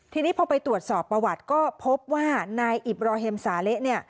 ทีนี้พอไปตรวจสอบประวัติก็พบว่านายอิบราเฮมสาเละเนี่ย